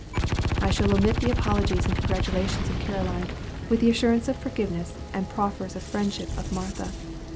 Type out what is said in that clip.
I shall omit the apologies and congratulations of Caroline and the assurance of forgiveness and proffers of friendship of Martha.